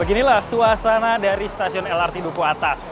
ini adalah suasana dari stasiun lrt duku hatas